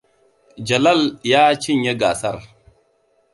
Jalal ya cinye gasar.